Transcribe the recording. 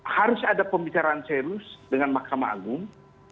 harus ada pembicaraan serius dengan mahkamah agung